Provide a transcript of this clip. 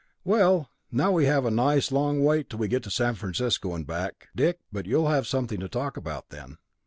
"Well, now we have a nice long wait till we get to San Francisco and back, Dick, but you'll have something to talk about then!"